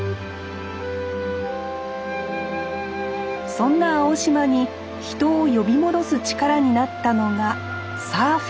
そんな青島に人を呼び戻す力になったのがサーフィン。